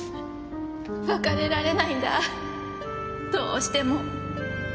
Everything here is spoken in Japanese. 別れられないんだどうしても。